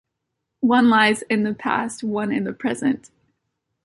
One lies in the past, one in the present.